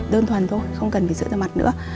đơn toàn thôi không cần phải sửa rửa mặt nữa